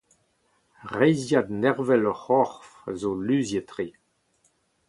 Reizhiad nervel hon c'horf zo luziet-tre.